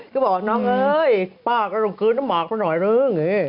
ก็บอกน๊อคเฮ้ยป้ากรรมณ์คือที่การหน่อยเฉย